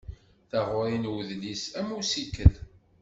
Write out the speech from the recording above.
Taɣuri n udlis am ussikel.